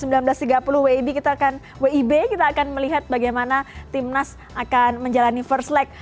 iya betul sekali nanti ya jam sembilan belas tiga puluh wib kita akan melihat bagaimana tim nas akan menjalani first leg